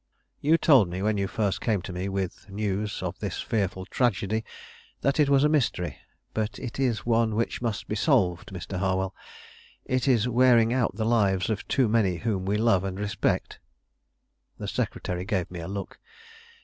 "You told me, when you first came to me with news of this fearful tragedy, that it was a mystery; but it is one which must be solved, Mr. Harwell; it is wearing out the lives of too many whom we love and respect." The secretary gave me a look.